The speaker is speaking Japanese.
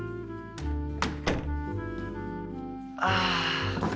ああ。